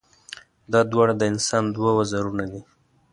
دا دواړه د انسان دوه وزرونه دي.